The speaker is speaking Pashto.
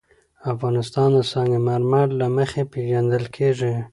افغانستان د سنگ مرمر له مخې پېژندل کېږي.